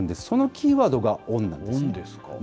そのキーワードが恩ですね。